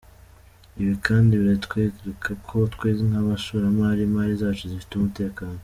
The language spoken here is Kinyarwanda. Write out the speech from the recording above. Ibi kandi biratwereka ko twe nk’abashoramari, imari zacu zifite umutekano.